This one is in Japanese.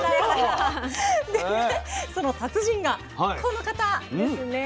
でねその達人がこの方ですね。